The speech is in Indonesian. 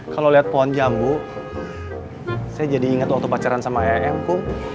kalau lihat pohon jambu saya jadi ingat waktu pacaran sama ayah mku